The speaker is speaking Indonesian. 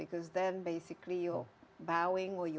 karena pada dasarnya kita bergabung atau berubah